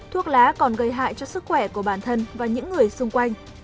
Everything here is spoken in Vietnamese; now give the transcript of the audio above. thuốc lá còn gây hại cho sức khỏe của bản thân và những người xung quanh